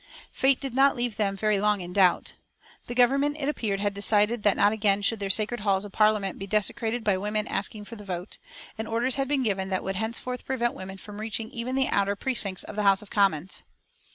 Fate did not leave them very long in doubt. The Government, it appeared, had decided that not again should their sacred halls of Parliament be desecrated by women asking for the vote, and orders had been given that would henceforth prevent women from reaching even the outer precincts of the House of Commons.